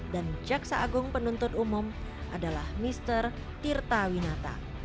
dan jaksa agung penuntut umum adalah mister tirta winata